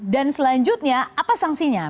dan selanjutnya apa sanksinya